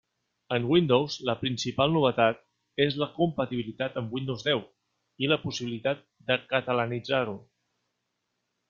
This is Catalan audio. En Windows la principal novetat és la compatibilitat amb Windows deu i la possibilitat de catalanitzar-ho.